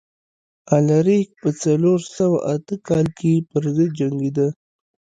الاریک په څلور سوه اته کال کې پرضد جنګېده.